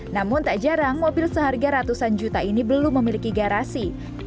namun tak jarang mobil seharga ratusan juta ini belum memiliki garasi